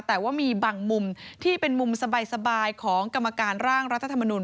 แต่ว่ามีบางมุมที่เป็นมุมสบายของกรรมการร่างรัฐธรรมนุน